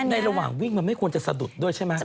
ในระหว่างวิ่งมันไม่ควรจะสะดุดด้วยใช่ไหม